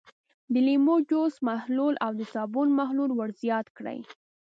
د لیمو جوس محلول او د صابون محلول ور زیات کړئ.